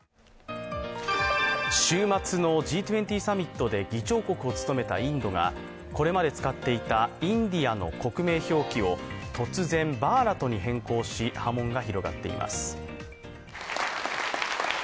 週末のＧ２０サミットで議長国を務めたインドがこれまで使っていたインディアの国名表記を突然、バーラトに変更し波紋が広がっています。